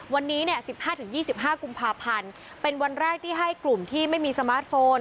วันนี้เนี่ยสิบห้าถึงยี่สิบห้ากุมภาพันธุ์เป็นวันแรกที่ให้กลุ่มที่ไม่มีสมาร์ทโฟน